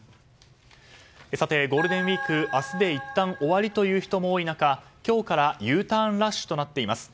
ゴールデンウィーク明日でいったん終わりという人も多い中、今日からＵターンラッシュとなっています。